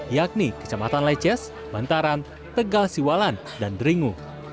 yakni kecamatan leces bantaran tegal siwalan dan deringu